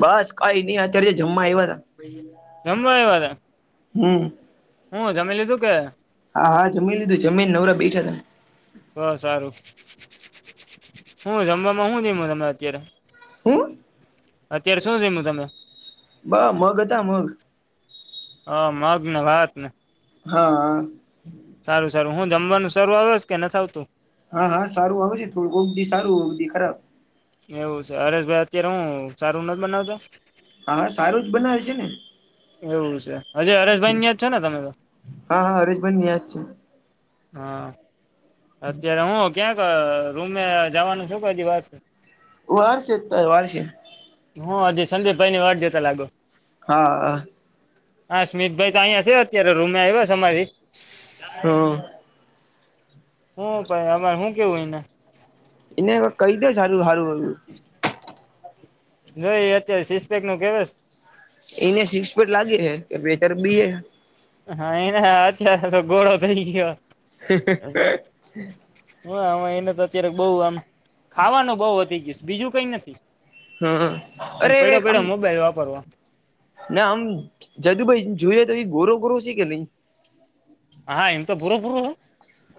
બસ કઈ નહી અત્યારે જમવા આવ્યા હતા જમવા આવ્યા તા હમ્મ હું જમી લીધું કે હા હા જમીન લીધું જમીન નવરા બેઠા હતા બહુ સારું હું જમવામાં શું નહી તમે અત્યારે હું અત્યારે શું જમયુ તમે બા મગ હતા મગ હ મગને વાત ને હા હા સારું સારું હું જમવાનું સારૂ આવે કે નથી આવતું હા હા સારું આવશે કોક દી સારું કોક દી ખરાબ એવું છે હરેશ ભાઈ અત્યારે હું સારું નથી બનાવતા હા સારું જ બનાવે છે ને એવું છે હજી હરેશભાઈ ન્યા જ છો ને તમે તો હા હા હરેશભાઈ મેચછે હા અત્યારે હું ક્યાંક રૂમે જવાનું છું કે હજી વાર વાર સે તાય વાર શે હું હજી સંજે ભાઈ ને વાડ જોતા લાગો હા હા સ્મિતભાઈ તો અહીંયા શે અત્યારે રૂમે આવ્યા અમારી [inaudible] હું ભાઈ અમારે શું કેવું હોય ને એને કઈ દે સારું સારું જો એ અત્યારે સીસપેક નો કેવા એને શિક્પેટ લાગે છે કે બેચાર બી હા એને હ છે તો અત્યાર ગોળો થઈ ગયો [inaudible] હોવે હોવે એને તો અત્યારે બઉ આમ ખાવાનું બહુ વધી ગયુ બીજું કઈ નથી હમ અને અરે પડ્યો કઈક આમ પડ્યો મોબાઈલ વાપરવાણો ના આમ જાદુભાઈ જોઈએ તો એ ગોરો ગોરો શી કે નઈ હા એમ તો બુરો બુરો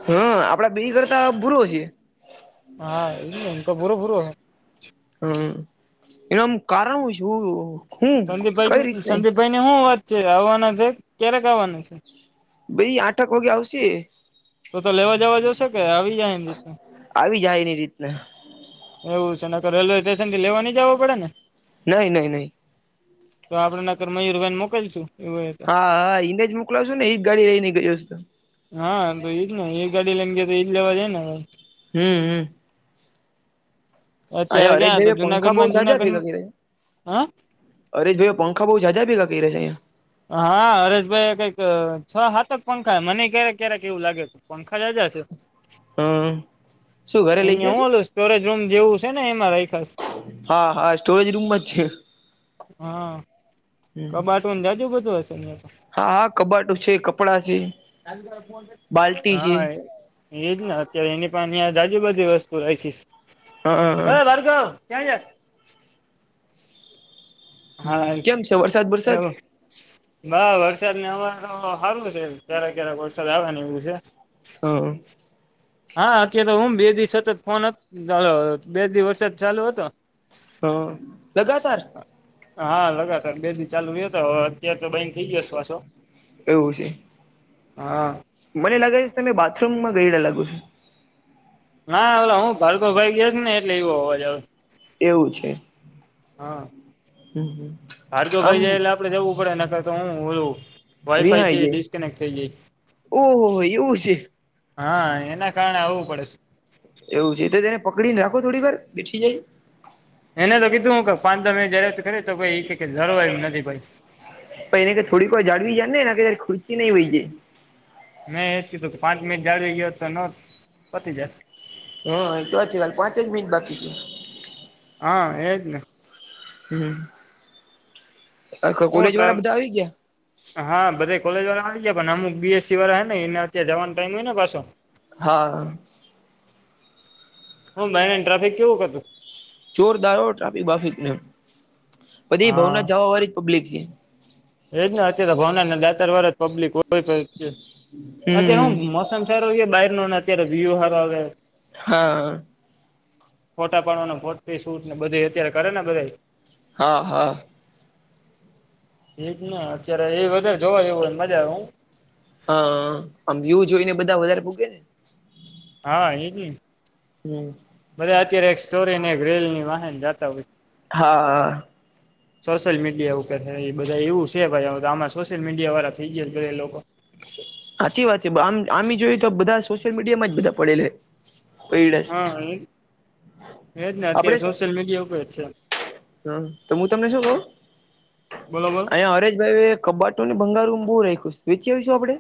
હા આપડા બે કરતા બુરો છે હા એ તો બુરો બરો હે હમ્મ એનામ કારણો છું હું કઈ રીતને ભાઈ ની શું વાત છે આવવાના છે ક્યારેક આવવાના છે ભાઈ આઠક વાગે આવશે તો તો લેવા જવા જોશે કે આવી જાય એમ રી આવી જાય એની રીતને એવું છે ને રેલવે સ્ટેશન થી લેવા ની જવા પડે ને નહી નહી નહી તો આપડે નગર મયુરભેન મોકલશું એવું હોય તો હા હા ઈને જ મોકલાશો ને એ જ ગાડી લઈ ને ગયોશે હા તો એજ ને એ ગાડી લેમ ગયો તો એજ લેવા જાય ને હમ હમ અ અત્યારે હરે ક્યાં તો ભાઈ પંખા જુનાગઢ બહુ માં સાજા જુનાગઢ ભેગા હા અરેશ ભાઈ પંખા બોવ જાજા ભેગા કર્યા છે અહીંયા હા હરેશભાઈ કઈક છ હાતેક પંખા મને ક્યારેક ક્યારેક એવું લાગે પંખા જા જા છે. હ શું ઘરે લઈ અંયા જશે હુંલું સ્ટોરેજ રૂમ જેવું છે, ને એમાં રાયખાસ હા હા સ્ટોરેજ રૂમમાં જ છે. હા કબાટોને જાજો બધું હશે તો હા હા કબાટું છે, કપડાં છે. બાલ્ટી છે હા. એજ ને અત્યારે એની પણ અંયા જાજી બધી વસ્તુ રાખીશ હા હા અરે ભાર્ગવ ક્યાં જાય હા કેમ છે વરસાદ વરસાદ એવું વરસાદને હમાર તો સારું ક્યારે ક્યારે વરસાદ આવે ને એવું છે. હા. હા અત્યારે તો હું બે દિવસ સતત ફોન બે દિવસ વરસાદ ચાલુ હતો હા લગાતાર હા લગાતાર બે દી ચાલુ રહ્યો હતો હવે અત્યારે તો બન થઈ ગયો શે પાછો એવું છે. હા. મને લાગે છે, તમે બાથરૂમાં ગયડા લાગો છો ના ઓલે હું ભાર્ગવ ભાઈ ગયોશે ને એટલે એવો અવાજ આવ્યો એવું છે. હા. હમ, હમ ભાર્ગવ આમ ભાઈ જાય એટલે આપણે જવું પડે નકર તો હું વાઈફાઈ વિહાય છે, જાય ડિસ્કનેક્ટ થઈ જાય ઓહો એવું છે હા એના કારણે આવવું પડેશે એવું છે તો તેને પકડીને રાખો થોડીક વાર બેઠી જાય એને તો કીધું હું કે પાચ [unintelligible] કરેતો [unintelligible] ભાઈ પહી એને કે થોડીક વાર જાળવી જાય ને કેયારે ખુચી નહી હોય જાય મેં એ કીધું કે પાંચ મિનિટ જાળવી ગયો તો નો પતી જાય હા એ તો હાચી વાત પાંચ જ મિનિટ બાકી છે. હા એજ ને હમ આખા હું કોલેજ ટ્ર વાળા બધા આવી ગીયા હા બધા કોલેજ વાળા આવી ગયા પણ અમુક બી એસ સી વાળા હે ને એને અત્યારે જવાનો ટાઈમ હોય ને પાછો હા. હું મેને ટ્રાફિક કેવુંક હતું? જોરદારો ટ્રાફિક બાફિકને બધી હા ભવનાથ જવા વાળી બલિક છે. એજ ને અત્યારે ભાવનાને દાતાર વાર જ પબ્લિક હો અત્યારે હમ હું મસ્ત સંસારોએ બારનો ને અત્યારે વ્યુ હારો આવે હા. ફોટા પાડવાનું ફોટી સૂટ ને બધી અત્યારે કરે ને બધાએ હા, હા એજ ને અત્યારે એ વધારે જોવા જેવું હોયને મજા આવે હો હા આમ વ્યુ જોઈને બધા વધારે પુગે ને હા એજ ને હમ. બધા અત્યારે એક સ્ટોરીને એક રેલની વાહન જાતા હોય હા, હા સોશિયલ મીડિયા ઉપરને એ બધા એવું છે, ભાઈ અવે તો આમાં સોશિયલ મીડિયા વાળા થઈ ગયા બધા એ લોકો સાચી વાત છે આમ આમ જોયએ તો બધા સોશિયલ મીડિયા માં જ બધા પડેલાડસ હા એ- એ જ ને અત્યારે આપડ સોશિયલ મીડિયા ઉપર જ છે હમ તો હું તમને શું કહ બોલો બોલો અહીંયા હરેશ ભાઈ કબાટુંને ભંગારું બહુ રાખ્યું વેચી આવીશું આપડે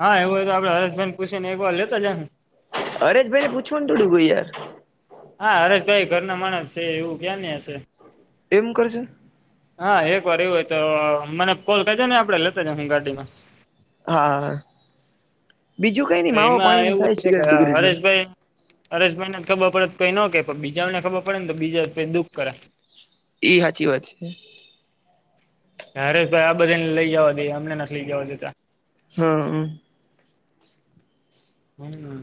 હા એવું હોય આપે હસબેડ પૂછી ને એક વાર લેતા જ ને અરે જ ભાઈને પૂછવું ને થોડુંકું યાર હા હરેશ ભાઈ ઘર ના માણસ છે એવું ક્યાં હશે એમ કરશે હા એક વાર એવું હોય તો મને કોલ કજે ને આપડે લેતા જ હું ગાડીમાં હા બીજું કઈ નઈ માવ પાણી એમાં ન થાય સિગરેટ બિગરેટ ન અરેસ ભાઈને ખબર પડે તોઈ ન કે બીજા ને ખબર પડે ને તો બીજા જઈ દુઃખ કરે ઈ હાચી વાત છે હરેશ ભાઈ આ બધા ને લઈ જવા દે અમને લઈ જવા દેતા હા હમ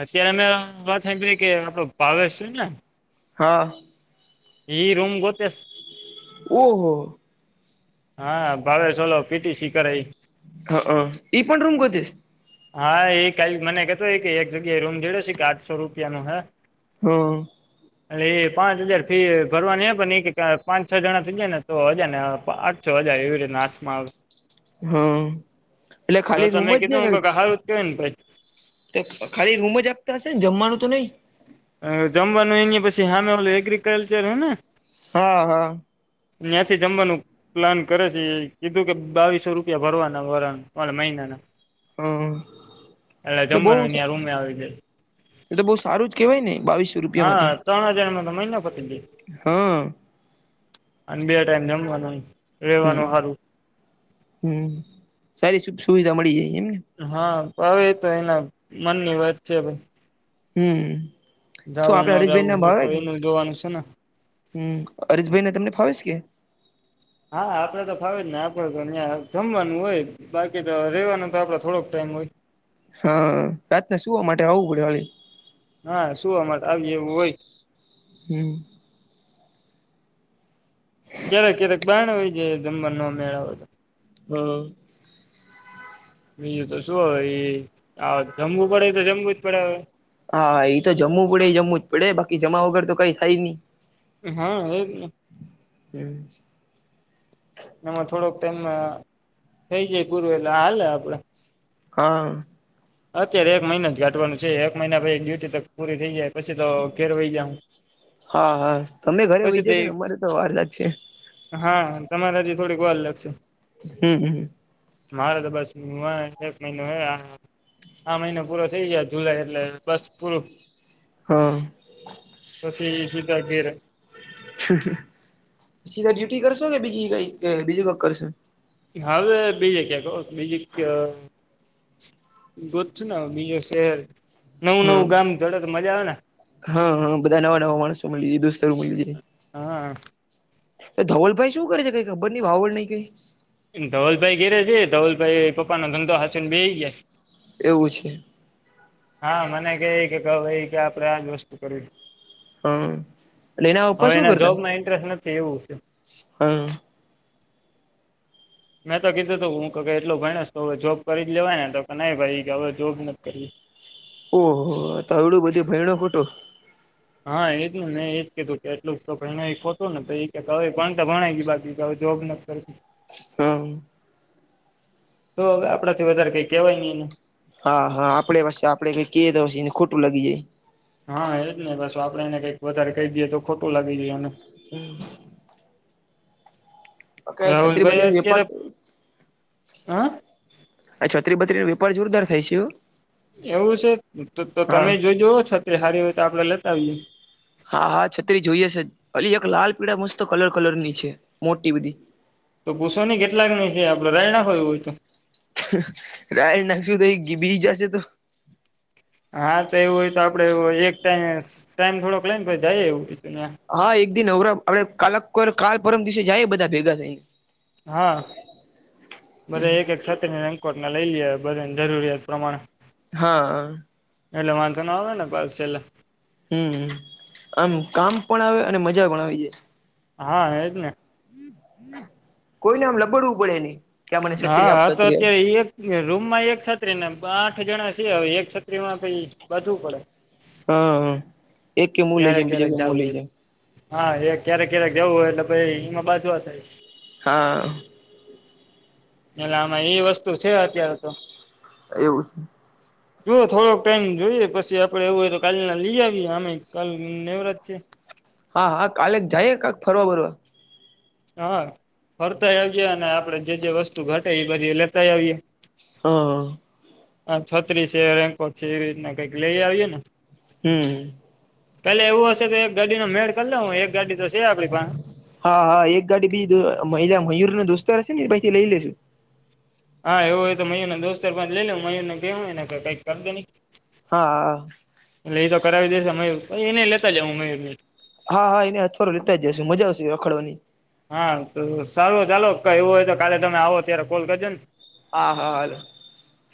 અત્યારે અમે વાત સા કે આપણો પાવેશ છે ને હા એ રૂમ ગ તેસ ઓહો હા ભાવેશ પીટીસી કર હા હ ઈ પણ રૂમ કધસ હા એ કઈ મને કતો હો કે એક જગ્યાએ રૂમ જેડે છે કે આઠસો રૂપિયા નું હે હમ એટલે એ પાંચ હજાર ફી ભરવાની પણ પાંચ છ જણા થઈ જાય ને તો હજાર ને ચજાય એવી રીતે નાચમાં આવે હા એટલે ખાલી રૂમ જ ને હ કે નેછ ખાલી રૂમ જ આપતા હશે ને જમવાનું તો નહીિ જમવાનું એ પછી સામે ઓલું એગ્રીિકલ્ચર હય ને હા હા ત્યાંથી જમવાનું પ્લાન કરે છે એ કીધું કે બાવીસો રૂપિયા ભરવાના ભર મહિનાના હમ એટલે એલે બહ જમવાનું ત્યાં રૂમે આવી જાય એ તો બહુ સારું જ કેહેવાયને બી હા ચૌણ હજાર મ તો મહિ પતી હા અને બે ટાઈમ જમવાનું હમ રેવાનું હારું હમ સારી સુ સુવિધા મળી જાય એમને હા હવે એ તો એના મનની વાત છે ભાઈ હમ શું જવું ન આપડે હરેશભાઈ ના જવું તો ભાવે કે એનું જોવાનું છે ને હમ અરીશભાઈ ને તમને ફાવીશ કે હા આપડે તો ફાવે જ ને આપડે તો અહં જમવાનું હોય જ બાકી રેવાનો તો આપડે થોડોક ટાઈમ હોય હા રાતના સુવા માટે આવવું પડે હ હા શું અમારે આવી એવું હોય હમ ક્યારેક ક્યારેક બાણ હોય જ જમવા ન મેળ તો હા બીજું તો શું હ જમવું પડે તો જમવું જ પડે હવે હા હા એ તો જમવ પડે એ જમવું જ પડે બાકી જમાવા વગર તો કઈ થાય જ નહી હા એ હમ એમાં થોડોક ટાઈમ થઇ જાય પૂરવે એલા હાલે આપડે હા અત્યારે એક મહિના જ ગાઢવાનું છે એક મહિના પછી ડ્યુટી તો પૂરી થઈ જાય પછી તો ઘેરવાઈ જું હા હા તમે ઘરે વહી જશો ને અમારે તો વારદા જ છે હા તમારે હજી થોડીક વાર લાગશે હમ હ મારે તો બસ ું એક મહિનો હ આ મહિનો પૂરો થઈ ગયા જુલાઈ એટલે બસ પૂરું હા પછી જોક ઘ ર સીધા ડ્યુટી કરશો કે બીજી કઈ કે બીજું ક કરશેો હવે બી જગ્યા કો બીજી ગ ન બીજો શહેર નવું હમ નવું ગામ જડે તો મજા આવે ને હા હા બધા નવા નવા માણસો મળી જ દુસ્ત મળાય હા એ ધવલભાઈ શું કરે છે કઈ ખબર ની વાાવડ નહી કઈ ધવલભાઈ ઘેરે છે ધવલભાઈ પપ નો ધંધો હચન બે ગયા છે એવું છે હા મને ક કે કહ એ કે આપણે આ જ વસ્તુ કરીશ હા હવે એના જોબમાં ઇન્ટરેસ્ટ નથી એવું છે હમ મેં તો કીધું હતું હું ક એટલો ભાઈ ને તો હવે જોબ કરી જ લેવાય ને તો કે નહી ભાઈ કે હવે જોબ નથી કરી ઓહ તોવડું બધી ભયણો ખોટો હા એજ ને મે એજ કીધું કે એટલું તો એતું ને ભ ભણાય ગ બાકી જોબ કરતી હમ તો આપડા થી વધારે કઈ કેહેવાય નહી એને હા હા આપડે પાસે આપડે કઈ ક દ એને ખોટું લાગી જાય હા એજ ને બસ આપે એને કઈક વધારે ક દઈએ તો ખોટું લાગી જય એને હમ કઈ છત્રી રાહુલભાઈ બત્રી નો વેપાર અત્યારે હ અ છત્રી બત્રી નો વેપાર જોરદાર થાય છે એવું છે તો હા તમે જોજ છત સારી હોય તો આપડે લતાવીએ હા હા છત્રી જોઈએ છે અલી એક લાલ પીડા મસ્ત કલર કલર ની છે મોટી બધી તો પુસો ની કેટલાક ની છે આપડે રાયણા હોયું હોય તો રાય નાખશું તો એ બી જશે તો હા તો એવું હોય તો આપડે એક ટાઈ ટાઈમ થોડોક લે ને પ જાય એવું બીું તં હા એક દિ વર આપડે કાકર કાલ પરમ દિવસે જાય બધા ભેગા થઈને હા બધ એક એક સાથેં કોર્ટને લઈ લઈએ બધને જરૂરિયાત પ્રમાણે હા એટલે વાંધ તો ન ના આવે ને કો છેલ્લે હમ આમ કામ પણ આવે અને મજા પણ આવી જાય હા એ જ ને કોઈને આમ લબડવું પડે નહી ક્યાં મને હા છત્રી આપ હા છત તો અત્યારે એક રૂમમાં એક છત્રી ને આઠ જણા છે હ એક છત્રી માં પી બધું પડે હા એક કે મુું લઈ ક્યારેક જમ બીજો ક્યારેક કે મુું જવું લઈ હોય જાય હા એ ક્યારેક ક્યારેક જવું હોય એટલે પ એમાં બાજવા થાય હા એટલે આમાં એ વસ્તુ છે અત્યારે તો એવું છે જોુઓ થોડોક ટાઈમ જોઈએ પછી આપડે એવું હોય તો કાલ લઈ આવીએ આમે કાલ નનેવરાત છે હા હા કાલે જાય કાક ફરવા બરવા હા ફરતાય આવીજે અને આપડે જે જે વસ્તુ ઘટે એ પછી લેતા આવીએ હમ હ છત્રીસ રેકો છે એવી રીતના કઈક લઈ આવીએ ને હમ [inaudible] પેલે એવું હશે તો એક ગાડીનો મેળ કરી લઉ હ એક ગાડી તો છે આપડી પાસે હા હા એક ગાડી બીજી મયુર દોસ્તો રહેશે નેથી લઈ લેશું હા એવું હોય તો મ ના દોતાર પા લઈ લ મને કેહવયને કઈક કરો નહીં હા એટલે એ તો કરાવી દેશ અમેયાઈ એને લેતા જ હું મે હા હા એને થો લેતા જશે મજા આવશે રખાડવાની હા તો સારું ચાલો ક એવું હોય તો કાલે તમે આવો ત્યારે કોલ કરજો ને હા હા હલો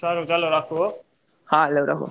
સારું ચાલો રાખું હો હા હલો રહો